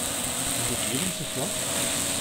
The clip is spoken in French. Vous êtes libre ce soir ?